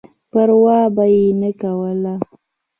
پر وا به یې نه کولای.